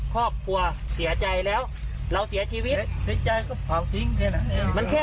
ครอบครัวเสียใจแล้วเราเสียชีวิตเสียใจก็เผาทิ้งใช่ไหม